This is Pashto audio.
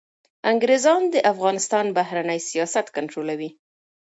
انګریزان د افغانستان بهرنی سیاست کنټرولوي.